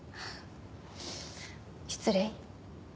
失礼。